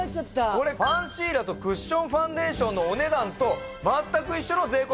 これファンシーラーとクッションファンデーションのお値段と全く一緒の税込